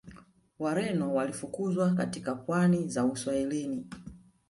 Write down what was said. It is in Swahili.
Wareno walifukuzwa katika pwani za Uswahilini